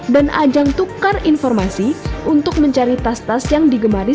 dan ajang tukar informasi untuk mencari tas tas yang digemari